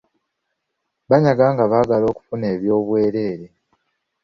Banyaga nga baagala okufuna oby’obwereere.